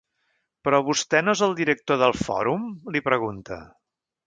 Però vostè no és el director del Fòrum? —li pregunta.